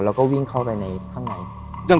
แล้วก็วิ่งเข้าไปในข้างใน